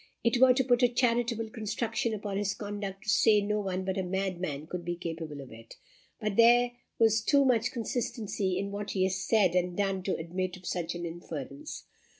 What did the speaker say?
It were to put a charitable construction upon his conduct to say that no one but a madman could be capable of it; but there was too much consistency in what he has said and done to admit of such an inference.